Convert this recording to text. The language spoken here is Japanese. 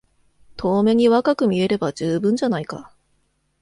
遠目に若く見えれば充分じゃないか。